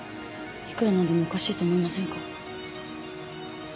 いくら何でもおかしいと思いませんか？